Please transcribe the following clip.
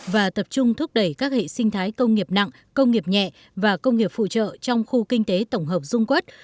và tập trung thúc đẩy các hệ sinh thái công nghiệp nặng công nghiệp nhẹ và công nghiệp phụ trợ trong khu kinh tế tổng hợp dung quất